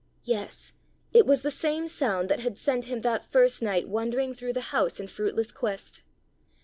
Yes! it was the same sound that had sent him that first night wandering through the house in fruitless quest!